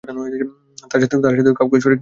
তার সাথে কাউকে শরীক না করি।